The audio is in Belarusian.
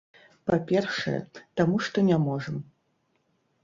Па-першае, таму што не можам.